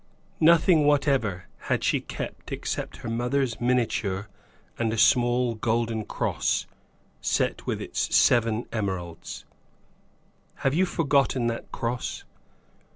Nothing whatever had she kept except her mother's miniature and a small golden cross, set with its seven emeralds. Have you forgotten that cross?